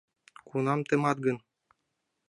Кунам темат гын?